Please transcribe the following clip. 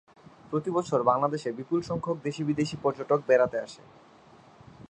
প্রতিবছর বাংলাদেশে বিপুল সংখ্যক দেশী বিদেশী পর্যটক বেড়াতে আসে।